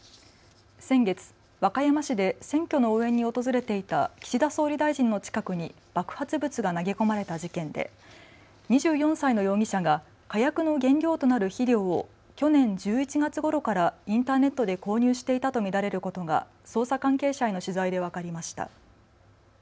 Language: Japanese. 先月和歌山市で選挙の応援に訪れていた岸田総理大臣の近くに爆発物が投げ込まれた事件で２４歳の容疑者が火薬の原料となる肥料を去年１１月ごろからインターネットで購入していたと見られることが捜査関係者への取材で分かりました。